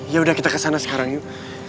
yaudah kita ke sana sekarang yuk